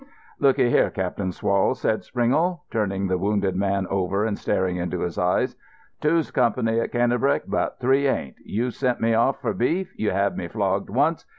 "Look 'ee here, Cap'n Swall," said Springle, turning the wounded man over and staring into his eyes. "Two's company at Cannebrake, but three ain't. You sent me off for beef. You had me flogged once.